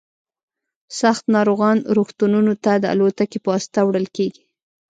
سخت ناروغان روغتونونو ته د الوتکې په واسطه وړل کیږي